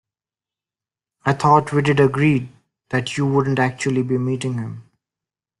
I thought we'd agreed that you wouldn't actually be meeting him?